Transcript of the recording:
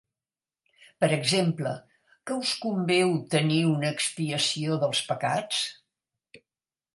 Per exemple: que us convé obtenir una expiació dels pecats?